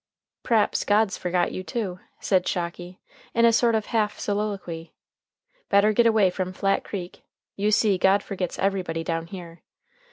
"P'r'aps God's forgot you, too," said Shocky in a sort of half soliloquy. "Better get away from Flat Creek. You see God forgets everybody down here.